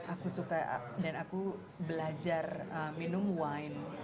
aku suka dan aku belajar minum wine